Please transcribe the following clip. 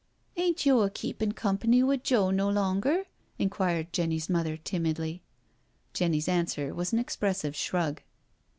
*' "Ain't yo' a keepin' comp'ny wi* Joe no longer? '• inquired Jenny's mother timidly, Jenny's answer was an expressive shrug.